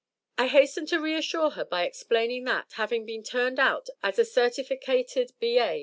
I hastened to reassure her by explaining that, having been turned out as a certificated B.A.